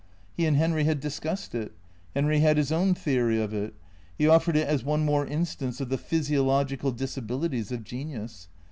He and Henry had discussed it. Henry had his own theory of it. He offered it as one more instance of the physiological disabili ties of genius.